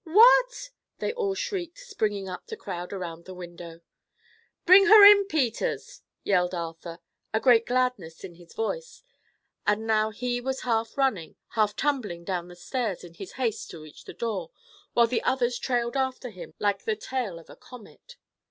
"What!" they all shrieked, springing up to crowd around the window. "Bring her in, Peters!" yelled Arthur, a great gladness in his voice, and now he was half running, half tumbling down the stairs in his haste to reach the door, while the others trailed after him like the tail of a comet.